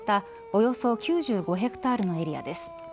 およそ９５ヘクタールのエリアです。